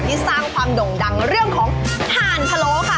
ที่สร้างความด่งเรื่องของทานพะโลค่ะ